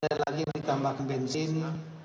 dan sekali lagi ditambahkan bensin